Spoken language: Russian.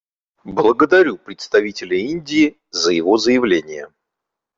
Благодарю представителя Индии за его заявление.